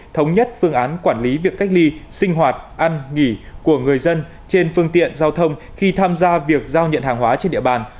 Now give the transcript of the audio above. thống nhất phương án quản lý việc cách ly sinh hoạt ăn nghỉ của người dân trên phương tiện giao thông khi tham gia việc giao nhận hàng hóa trên địa bàn